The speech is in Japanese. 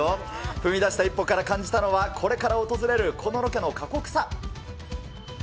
踏み出した一歩から感じたのは、これから訪れるこのロケの過酷さ。